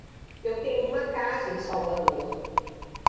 Eu tenho uma casa em Salvador.